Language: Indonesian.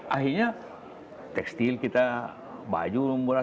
akhirnya tekstil kita baju lumburan